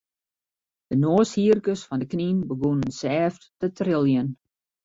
De noashierkes fan de knyn begûnen sêft te triljen.